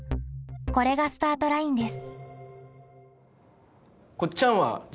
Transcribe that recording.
これがスタートラインです。